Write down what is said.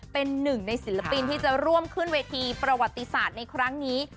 เป็นหนึ่งในศิลปินที่จะร่วมขึ้นเวทีประวัติศาสตร์ในครั้งนี้